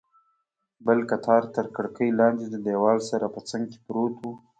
بل قطار تر کړکۍ لاندې، د دیوال سره په څنګ کې پروت و.